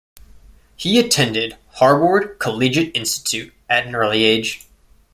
He attended Harbord Collegiate Institute at an early age.